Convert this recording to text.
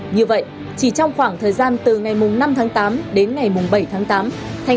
như vậy chỉ trong khoảng thời gian từ ngày mùng năm tháng tám đến ngày mùng bảy tháng tám